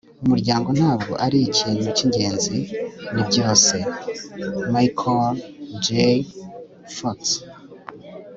umuryango ntabwo ari ikintu cy'ingenzi, ni byose. - michael j. fox